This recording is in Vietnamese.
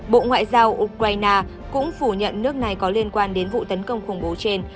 bộ ngoại giao ukraine cũng phủ nhận nước này có liên quan đến vụ tấn công khủng bố trên